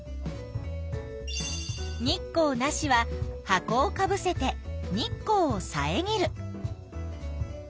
「日光なし」は箱をかぶせて日光をさえぎる。